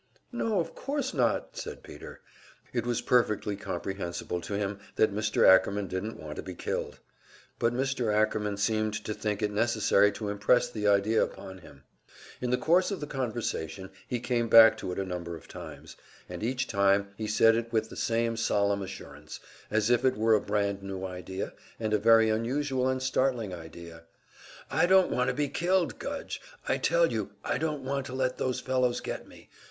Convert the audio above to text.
"No, of course not," said Peter. It was perfectly comprehensible to him that Mr. Ackerman didn't want to be killed. But Mr. Ackerman seemed to think it necessary to impress the idea upon him; in the course of the conversation he came back to it a number of times, and each time he said it with the same solemn assurance, as if it were a brand new idea, and a very unusual and startling idea. "I don't want to be killed, Gudge; I tell you I don't want to let those fellows get me.